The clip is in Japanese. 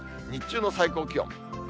日中の最高気温。